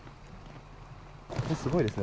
ここすごいですね。